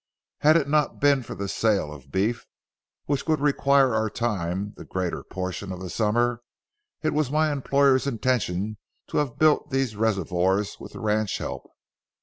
Had it not been for the sale of beef, which would require our time the greater portion of the summer, it was my employer's intention to have built these reservoirs with the ranch help.